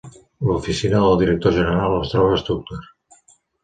L'oficina del director general es troba a Stuttgart.